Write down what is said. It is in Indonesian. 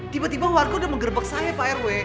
tiba tiba warga udah menggerbek saya pak rw